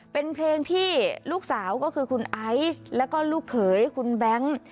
เป็นเพลงที่ลูกสาวก็คือคุณไอซ์แล้วก็ลูกเขยคุณแบงค์